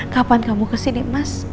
kapan kamu kesini mas